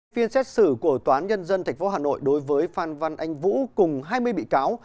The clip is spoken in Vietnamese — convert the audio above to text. phiên xét xử của tòa án nhân dân tp hà nội đối với phan văn anh vũ cùng hai mươi bị cáo